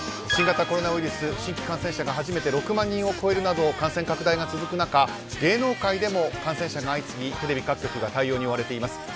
新型コロナウイルス新規感染者が初めて６万人を超えるなど感染拡大が続く中、芸能界でも感染者が相次ぎ、テレビ各局が対応に追われています。